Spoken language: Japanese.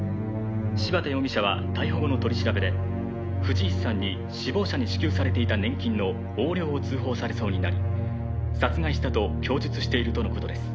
「柴田容疑者は逮捕後の取り調べで藤石さんに死亡者に支給されていた年金の横領を通報されそうになり殺害したと供述しているとのことです」